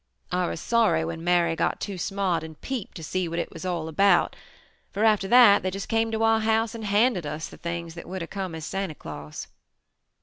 I was sorry when Mary got too smart and peeped to see what it was all about, for after that they just came to our house and handed us the things that would have come as Santa Claus.